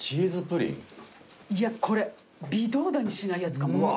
いやこれ微動だにしないやつかも。